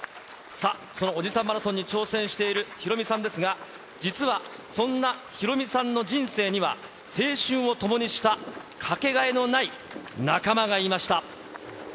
さあ、そのおじさんマラソンに挑戦しているヒロミさんですが、実はそんなヒロミさんの人生には青春を共にした掛けがえのない仲間がいました。